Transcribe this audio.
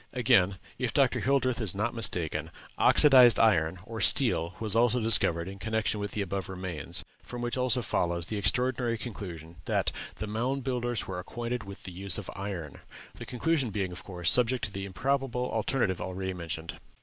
Again, if Dr. Hildreth is not mistaken, oxydized iron or steel was also discovered in connection with the above remains, from which also follows the extraordinary conclusion that the Mound Builders were acquainted with the use of iron, the conclusion being, of course, subject to the improbable alternative already mentioned."